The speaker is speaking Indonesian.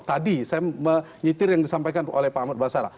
tadi saya menyetir yang disampaikan oleh pak ahmad basara